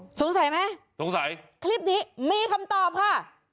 สงสัยไหมสงสัยคลิปนี้มีคำตอบค่ะ